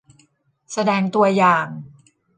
แสดงตัวอย่าง